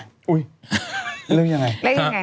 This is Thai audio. อุ้ยเรื่องยังไง